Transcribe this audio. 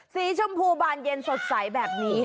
สีชมพูบานเย็นสดใสแบบนี้